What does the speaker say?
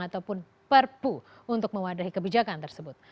ataupun perpu untuk mewadahi kebijakan tersebut